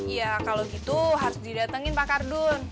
ya kalau gitu harus didatengin pak kardun